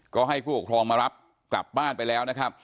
ก็ให้ผู้ปกครองมารับกลับบ้านไปแล้วนะครับ